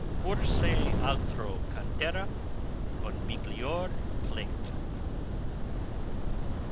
"Forse altro cantera con miglior plectro."